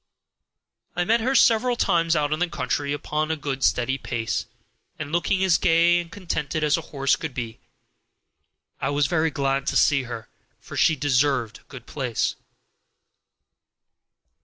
I met her several times out in the country, going a good steady pace, and looking as gay and contented as a horse could be. I was very glad to see her, for she deserved a good place.